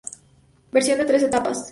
Versión de tres etapas.